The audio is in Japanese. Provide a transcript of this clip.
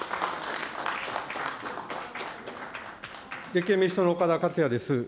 立憲民主党の岡田克也です。